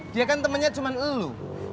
dia kan temennya cuman elu